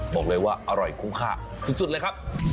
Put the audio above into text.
บอกเลยว่าอร่อยคุ้มค่าสุดเลยครับ